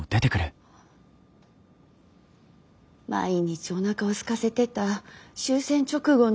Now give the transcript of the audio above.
毎日おなかをすかせてた終戦直後の。